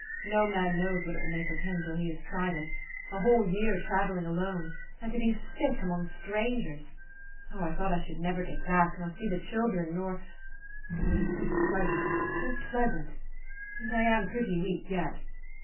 "No man knows what it will make of him, till he has tried it. A whole year travelling alone ; and to be sick among stran gers ! Oh ! I thought I should never get back, nor see the children, nor Oh, it is so pleasant, so 386 THE STOKY OF AVIS. pleasant ! And I am pretty weak yet.